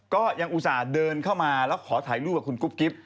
ก็ยังอุตส่าห์เดินเข้ามาแล้วขอถ่ายรูปกับคุณกุ๊บกิ๊บ